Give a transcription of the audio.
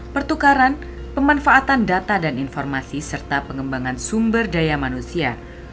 pertukaran pemanfaatan data dan informasi serta pengembangan sumber daya manusia